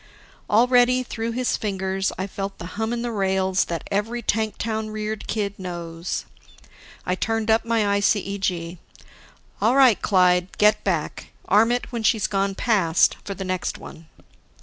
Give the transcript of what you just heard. Already, through his fingers, I felt the hum in the rails that every tank town reared kid knows. I turned up my ICEG. "All right, Clyde, get back. Arm it when she's gone past, for the next one."